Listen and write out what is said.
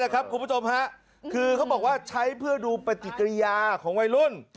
ครูพระจมฮะเค้าบอกว่าใช้เพื่อดูปฏิกิริยาของวัยรุ่น